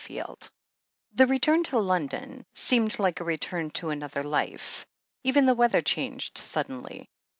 XIX The return to London seemed like a return to an other life. Even the weather changed suddenly.